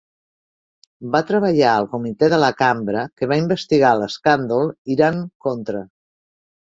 Va treballar al comitè de la Cambra que va investigar l'escàndol Iran-Contra.